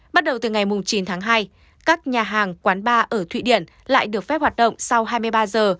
bắt đầu từ ngày chín tháng hai các nhà hàng quán bar ở thụy điển lại được phép hoạt động sau hai mươi ba giờ